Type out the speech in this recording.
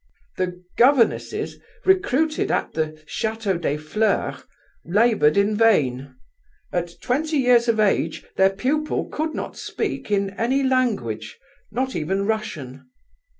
The governesses, recruited at the Chateau des Fleurs, laboured in vain; at twenty years of age their pupil could not speak in any language, not even Russian.